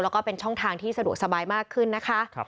แล้วก็เป็นช่องทางที่สะดวกสบายมากขึ้นนะคะ